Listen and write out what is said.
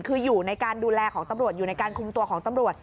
คืออยู่ในการดูแลของตำรวจอยู่ในการคุมตัวของตำรวจ